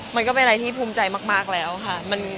มันก็เป็นอะไรที่ภูมิใจมากแล้วค่ะ